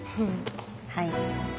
はい。